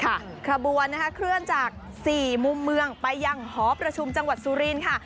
ขบวนนะคะเคลื่อนจากสี่มุมเมืองไปยังหอประชุมจังหวัดสุรินทร์ค่ะ